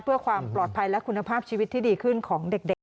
เพื่อความปลอดภัยและคุณภาพชีวิตที่ดีขึ้นของเด็ก